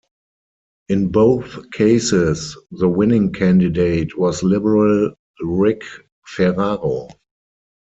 In both cases, the winning candidate was Liberal Rick Ferraro.